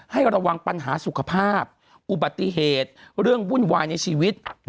ให้ระวังปัญหาสุขภาพอุบัติเหตุเรื่องวุ่นวายในชีวิต